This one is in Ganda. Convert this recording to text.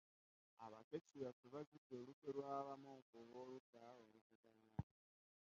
Abakessi baffe bazudde olukwe lw'abamu ku b'oludda oluvuganya